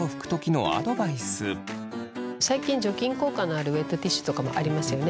最近除菌効果のあるウェットティッシュとかもありますよね。